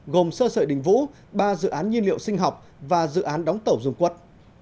gồm sơ sợi đình vũ ba dự án nhiên liệu sinh học và dự án đóng tẩu dùng quất